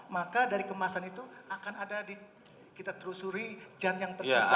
maka dari kemasan itu akan ada kita telusuri jan yang tersisa